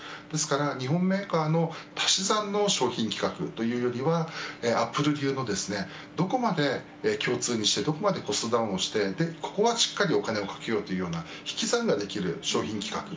ですから日本メーカーの足し算の商品企画というよりはアップル流のどこまで共通にしてどこまでコストダウンをしてここはしっかりとお金をかけるという引き算がきる商品企画